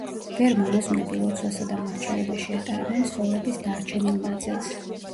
ბერ-მონაზვნები ლოცვასა და მორჩილებაში ატარებენ ცხოვრების დარჩენილ ნაწილს.